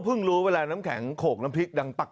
รู้เวลาน้ำแข็งโขกน้ำพริกดังปัก